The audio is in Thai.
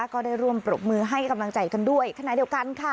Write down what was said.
ก็ได้ร่วมปรบมือให้กำลังใจกันด้วยขณะเดียวกันค่ะ